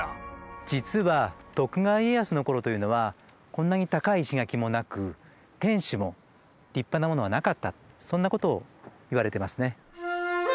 実は徳川家康の頃というのはこんなに高い石垣もなく天守も立派なものはなかったそんなことを言われてますね。